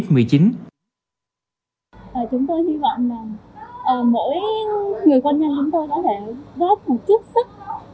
chúng tôi hy vọng là mỗi người quân nhân chúng tôi có thể góp một chút sức